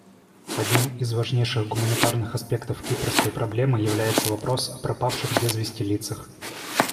Одним из важных гуманитарных аспектов кипрской проблемы является вопрос о пропавших без вести лицах.